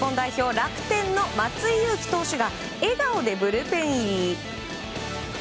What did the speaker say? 楽天の松井裕樹投手が笑顔でブルペン入り。